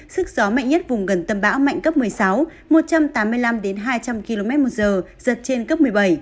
sức gió mạnh nhất vùng gần tầm bão mạnh cấp một mươi sáu một trăm tám mươi năm hai trăm linh kmh giật trên cấp một mươi bảy